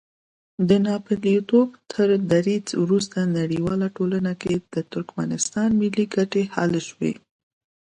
د ناپېیلتوب تر دریځ وروسته نړیواله ټولنه کې د ترکمنستان ملي ګټې حل شوې.